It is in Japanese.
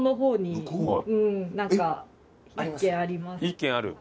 １軒ある？